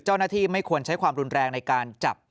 เจ้าหน้าที่ไม่ควรใช้ความรุนแรงในการจับ